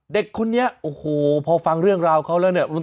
เด็กคนนี้โอ้โหพอฟังเรื่องราวเขาแล้วเนี่ย